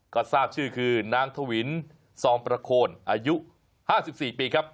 ก็ทราบชื่อคือนางถวินซองประโคนอายุ๕๔ปีครับ